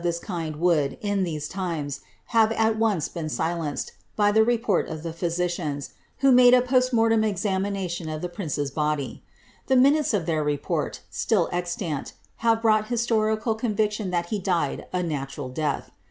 All suspicions of this kind would, in these times, have at once been silenced, by the report of the physicians, who made a past mortem examination of the prince's body. The minutes of their report, still extant, have brought historical conviction that he died a natural death.'